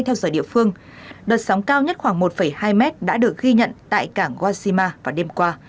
theo giờ địa phương đợt sóng cao nhất khoảng một hai mét đã được ghi nhận tại cảng wajima vào đêm qua